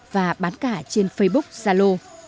và bán cả trên facebook zalo